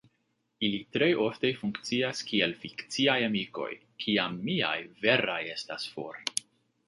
Ili tre ofte funkcias kiel fikciaj amikoj, kiam miaj veraj estas for.